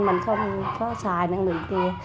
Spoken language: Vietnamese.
mình không có xài năng lượng kia